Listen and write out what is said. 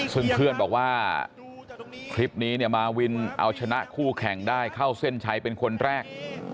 ซึ่งเพื่อนบอกว่าคลิปนี้เนี่ยมาวินเอาชนะคู่แข่งได้เข้าเส้นชัยเป็นคนแรก